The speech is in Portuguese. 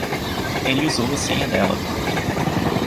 Ele usou a senha dela.